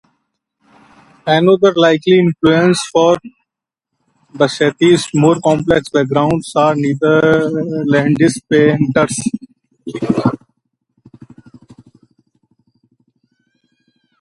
Another likely influence for Basaiti's more complex backgrounds are Netherlandish painters.